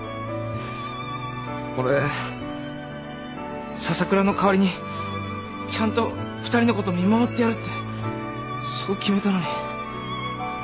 俺笹倉の代わりにちゃんと２人のこと見守ってやるってそう決めたのに。